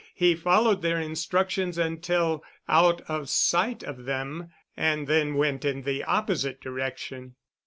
He followed their instructions until out of sight of them, and then went in the opposite direction.